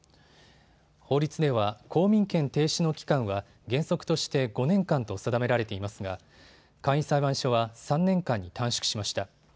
法律では公民権停止の期間は原則として５年間と定められていますが、簡易裁判所は３年間に短縮しました。